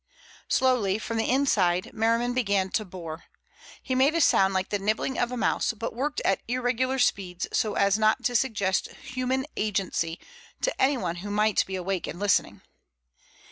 Slowly, from the inside, Merriman began to bore. He made a sound like the nibbling of a mouse, but worked at irregular speeds so as not to suggest human agency to anyone who might be awake and listening.